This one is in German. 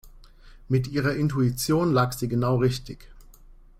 Mit ihrer Intuition lag sie genau richtig.